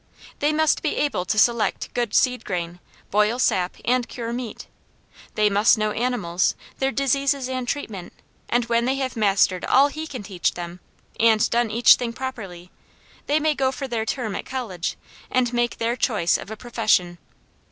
They must be able to select good seed grain, boil sap, and cure meat. They must know animals, their diseases and treatment, and when they have mastered all he can teach them, and done each thing properly, they may go for their term at college, and make their choice of a profession.